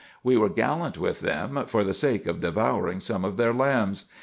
We were gallant with them, for the sake of devouring some of their lambs.